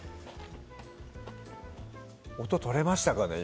音とれましたかね？